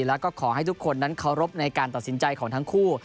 แล้วก็ขอให้ทุกคนนั้นเคารพในการตัดสินใจของทั้งคู่